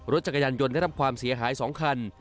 รถจักรยานยนต์ได้รับความเสียหาย๒คัน